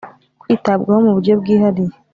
kwitabwaho mu buryo bwihariye